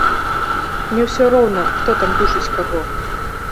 Не ўсё роўна, хто там душыць каго!